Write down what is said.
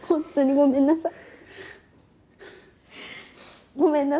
ごめんなさい。